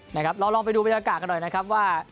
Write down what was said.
เราลองไปดูบรรยากาศกันหน่อยนะครับว่า